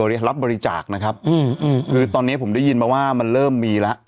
รับบริจาคนะครับอืมคือตอนเนี้ยผมได้ยินมาว่ามันเริ่มมีแล้ว